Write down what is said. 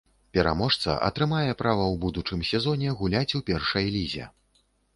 Пераможца атрымае права ў будучым сезоне гуляць у першай лізе.